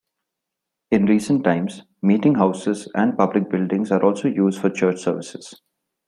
In recent times, meetinghouses and public buildings are also used for church services.